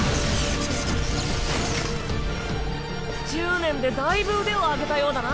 １０年でだいぶ腕を上げたようだな。